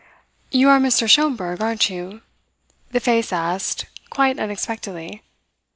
"You are Mr. Schomberg, aren't you?" the face asked quite unexpectedly.